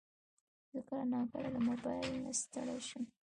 زه کله ناکله له موبایل نه ستړی شم.